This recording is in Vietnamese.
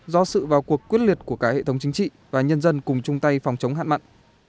do sự vào cuộc quyết liệt của cả hệ thống chính trị và nhân dân cùng chung tay phòng chống hạn mặn